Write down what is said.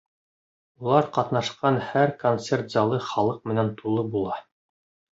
Улар ҡатнашҡан һәр концерт залы халыҡ менән тулы була.